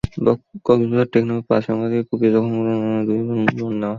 কক্সবাজারের টেকনাফে পাঁচ সাংবাদিককে কুপিয়ে জখমের ঘটনায় করা মামলায় দুজনকে রিমান্ডে নেওয়া হয়েছে।